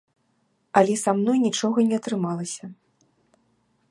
Але са мной нічога не атрымалася.